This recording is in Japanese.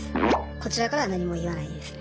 こちらからは何も言わないですね。